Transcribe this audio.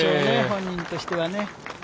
本人としては。